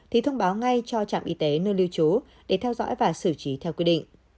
thì thông báo ngay cho trạm y tế nơi lưu trú để theo dõi và xử trí theo quy định